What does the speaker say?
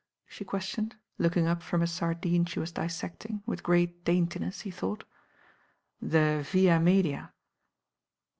she questioned, look ing up from a sardine she was dissecting, with great daintiness, he thought. "The via media."